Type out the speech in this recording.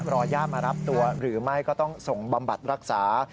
อย่ามารับตัวหรือไม่ก็ต้องส่งบำบัดรักษา